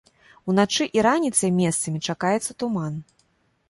Уначы і раніцай месцамі чакаецца туман.